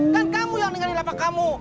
kan kamu yang meninggal di lapak kamu